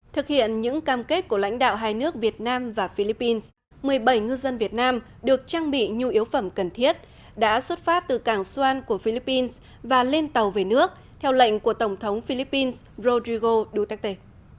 thực hiện những cam kết của lãnh đạo hai nước việt nam và philippines một mươi bảy ngư dân việt nam được trang bị nhu yếu phẩm cần thiết đã xuất phát từ cảng soan của philippines và lên tàu về nước theo lệnh của tổng thống philippines rodrigo duterte